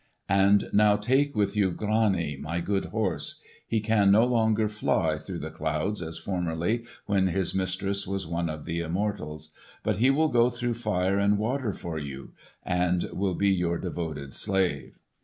"And now take with you Grani, my good horse. He can no longer fly through the clouds as formerly, when his mistress was one of the immortals. But he will go through fire and water for you, and will be your devoted slave."